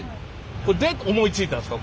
これどうやって思いついたんすか？